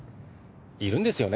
いるんですよね